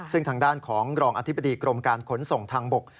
ซึ่งทางด้านของรองอธิบดีกรมการขนส่งทางบก